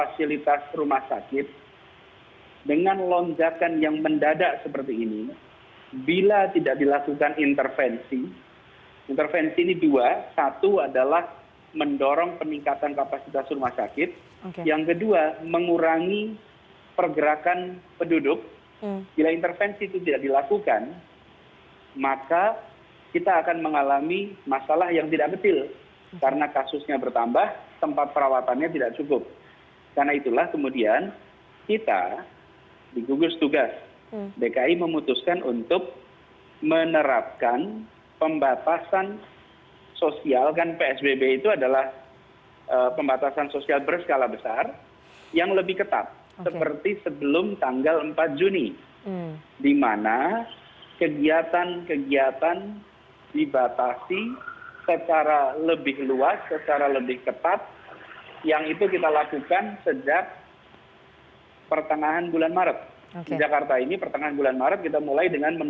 sikm itu digunakan untuk mencegah arus mudik dan menahan orang mudik kembali ke jakarta